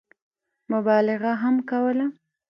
مبالغه هم کوله.